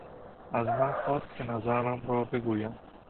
از من خواست که نظرم را بگویم.